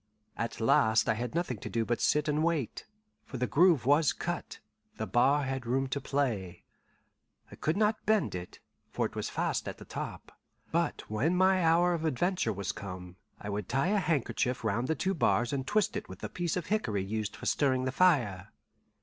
At last I had nothing to do but sit and wait, for the groove was cut, the bar had room to play. I could not bend it, for it was fast at the top; but when my hour of adventure was come, I would tie a handkerchief round the two bars and twist it with the piece of hickory used for stirring the fire.